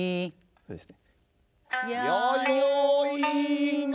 そうですね。